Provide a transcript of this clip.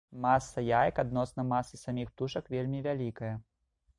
Маса яек адносна масы саміх птушак вельмі вялікая.